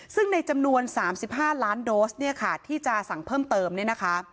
ซึ่งในจำนวน๓๕ล้านโดสที่จะสั่งเพิ่มเติมนะคะ